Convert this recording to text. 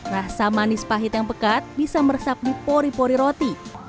rasa manis pahit yang pekat bisa meresap di pori pori roti